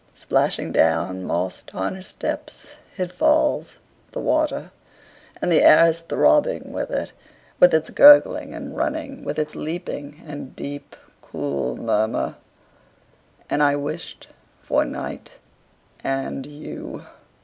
Splashing down moss tarnished steps It falls, the water; And the air is throbbing with it. With its gurgling and running. With its leaping, and deep, cool murmur. And I wished for night and you.